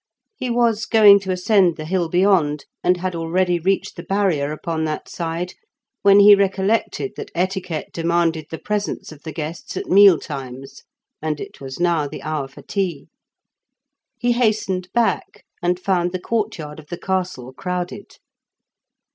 He was going to ascend the hill beyond, and had already reached the barrier upon that side, when he recollected that etiquette demanded the presence of the guests at meal times, and it was now the hour for tea. He hastened back, and found the courtyard of the castle crowded.